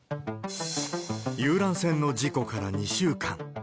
遊覧船の事故から２週間。